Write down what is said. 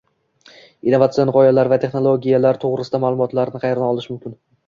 innovatsion g’oyalar va texnologiyalar to’g’risida ma’lumotlarni qayerdan olish mumkin?